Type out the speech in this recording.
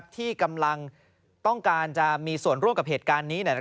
ที่กำลังต้องการจะมีส่วนร่วมกับเหตุการณ์นี้